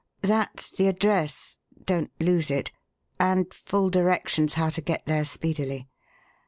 That's the address (don't lose it) and full directions how to get there speedily.